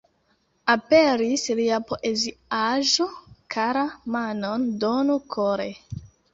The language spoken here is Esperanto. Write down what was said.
Aperis lia poeziaĵo "Kara, manon donu kore!